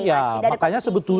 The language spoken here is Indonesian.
tidak ada kompetisi